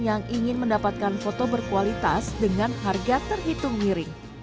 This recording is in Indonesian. yang ingin mendapatkan foto berkualitas dengan harga terhitung miring